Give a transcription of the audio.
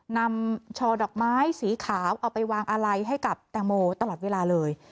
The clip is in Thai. นำช่อดอกไม้สีขาวเอาไปวางอาลัยให้กับแตงโมตลอดเวลาเลย